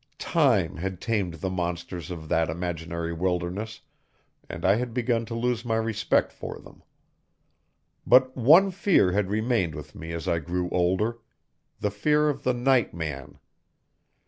Time had tamed the monsters of that imaginary wilderness and I had begun to lose my respect for them. But one fear had remained with me as I grew older the fear of the night man.